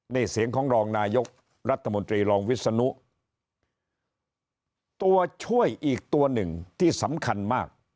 นี่เสียงของรองนายกรัฐมนตรีรองวิศนุตัวช่วยอีกตัวหนึ่งที่สำคัญมาก